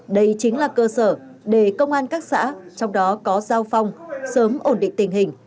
đây chính là cơ sở để công an các xã trong đó có giao phong sớm ổn định tình hình